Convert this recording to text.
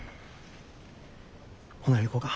ほな行こか。